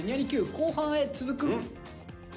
後半へ続く。